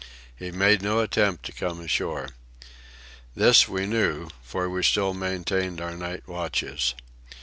He made no attempt to come ashore. This we knew, for we still maintained our night watches.